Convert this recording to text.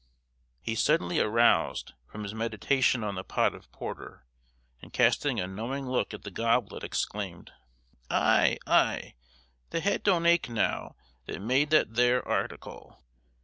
He suddenly aroused from his meditation on the pot of porter, and casting a knowing look at the goblet, exclaimed, "Ay, ay! the head don't ache now that made that there article."